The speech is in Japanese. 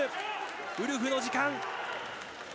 ウルフの時間。